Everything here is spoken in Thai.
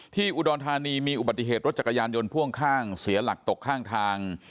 อุดรธานีมีอุบัติเหตุรถจักรยานยนต์พ่วงข้างเสียหลักตกข้างทาง